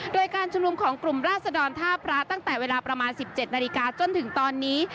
โดยการชุมนุมของกลุ่มราศดรท่าพระตั้งแต่เวลาประมาณ๑๗นาฬิกาจนถึงตอนนี้